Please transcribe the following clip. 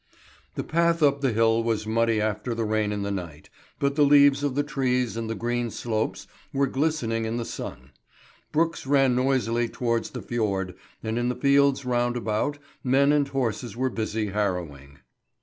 The path up the hill was muddy after the rain in the night, but the leaves of the trees and the green slopes were glistening in the sun. Brooks ran noisily towards the fjord, and in the fields round about men and horses were busy harrowing.